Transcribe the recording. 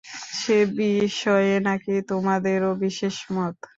সে বিষয়ে নাকি তোমাদেরও বিশেষ মত।